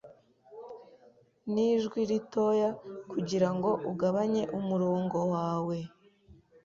Nijwi ritoya kugirango ugabanye umurongo wawe